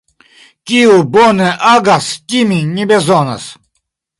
Kiu bone agas, timi ne bezonas.